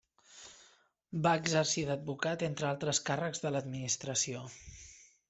Va exercir d'advocat entre altres càrrecs de l'administració.